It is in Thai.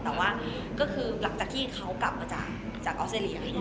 แต่ว่าก็คือหลังจากที่เขากลับมาจากออสเตรเลีย